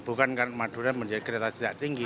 bukan karena madura menjadi kereta tidak tinggi